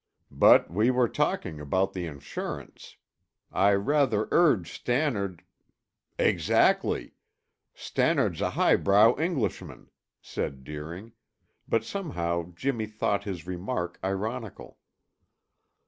"But we were talking about the insurance. I rather urged Stannard " "Exactly! Stannard's a highbrow Englishman," said Deering, but somehow Jimmy thought his remark ironical.